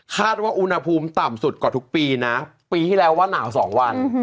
คาดว่าอุณหภูมิต่ำสุดกว่าทุกปีนะปีที่แล้วว่าหนาว๒วัน